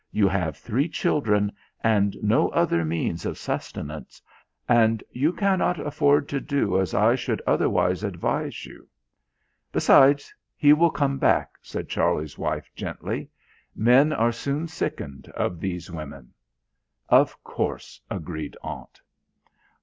"You have three children and no other means of sustenance, and you cannot afford to do as I should otherwise advise you." "Besides, he will come back," said Charlie's wife gently. "Men are soon sickened of these women." "Of course," agreed Aunt.